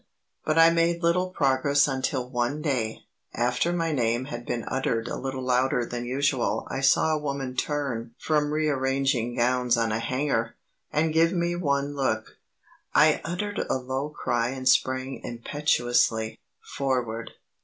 But I made little progress until one day, after my name had been uttered a little louder than usual I saw a woman turn from rearranging gowns on a hanger, and give me one look. I uttered a low cry and sprang impetuously, forward.